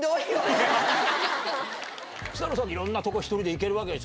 いろんなとこ１人で行けるわけでしょ？